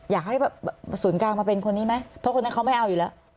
อยากให้แบบศูนย์กลางมาเป็นคนนี้ไหมเพราะคนนั้นเขาไม่เอาอยู่แล้ว